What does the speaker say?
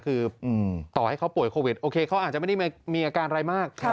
คือต่อให้เขาป่วยโควิดโอเคเขาอาจจะไม่ได้มีอาการอะไรมาก